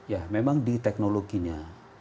ya memang di teknologinya